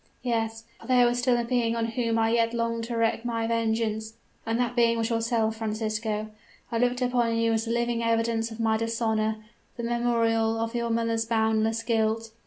"Yes for there was still a being on whom I yet longed to wreak my vengeance; and that being was yourself, Francisco? I looked upon you as the living evidence of my dishonor the memorial of your mother's boundless guilt.